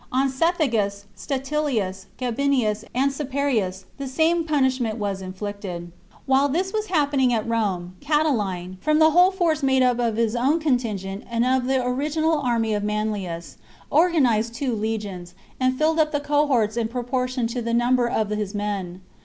On Cethegus, Statilius, Gabinius, and Caeparius, the same punish ment was inflicted. CHAP. While this was happening at Rome, Catiline, from the whole force made up of his own contingent and of the original army of Manlius, organized two legions, and filled up the cohorts in proportion to the number of his men.